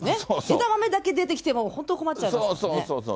枝豆だけ出てきても本当困っちゃそうそう